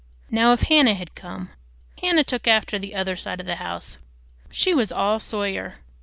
Now if Hannah had come Hannah took after the other side of the house; she was "all Sawyer."